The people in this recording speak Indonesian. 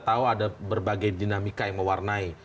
tahu ada berbagai dinamika yang mewarnai